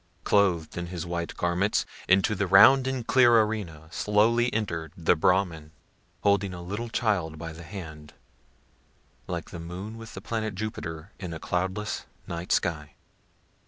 Clothed in his white garments, Into the round and clear arena slowly entered the brahmin, Holding a little child by the hand, Like the moon with the planet Jupiter in a cloudless night sky.